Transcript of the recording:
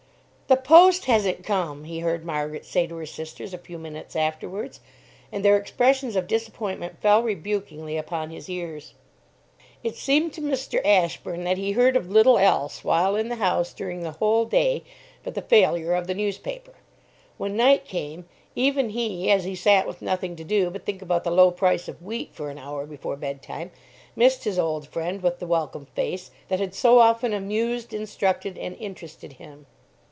"The 'Post' hasn't come!" he heard Margaret say to her sisters, a few minutes afterwards, and their expressions of disappointment fell rebukingly upon his ears. It seemed to Mr. Ashburn that he heard of little else, while in the house, during the whole day, but the failure of the newspaper. When night came, even he, as he sat with nothing to do but think about the low price of wheat for an hour before bedtime, missed his old friend with the welcome face, that had so often amused, instructed, and interested him.